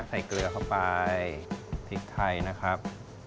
ใส่เกลือเข้าไปผิดไทยนะครับ